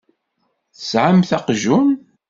Tesɛamt aqjun?